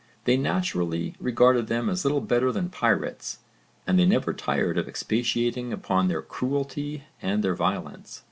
They naturally regarded them as little better than pirates and they never tired of expatiating upon their cruelty and their violence.